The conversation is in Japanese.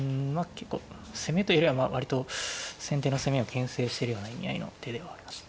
結構攻めというよりは割と先手の攻めをけん制してるような意味合いの手ではありました。